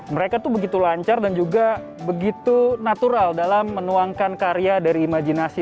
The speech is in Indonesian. mereka tuh begitu lancar dan juga begitu natural dalam menuangkan karya dari imajinasi